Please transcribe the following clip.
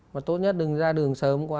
và tốt nhất đừng ra đường sớm quá